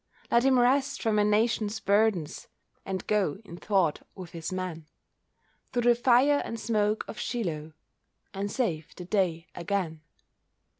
Let him rest from a nation's burdens, And go, in thought, with his men, Through the fire and smoke of Shiloh, And save the day again.